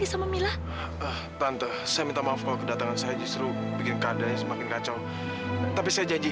sampai jumpa di video selanjutnya